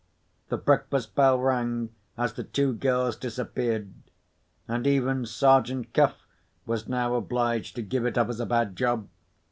The breakfast bell rang as the two girls disappeared—and even Sergeant Cuff was now obliged to give it up as a bad job!